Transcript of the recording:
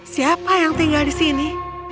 siapa yang tinggal di sini